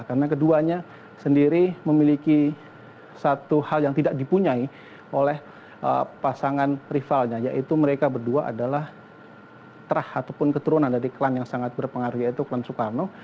karena keduanya sendiri memiliki satu hal yang tidak dipunyai oleh pasangan rivalnya yaitu mereka berdua adalah terah ataupun keturunan dari klan yang sangat berpengaruh yaitu klan soekarno